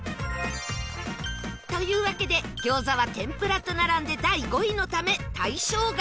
わけで餃子は天ぷらと並んで第５位のため対象外。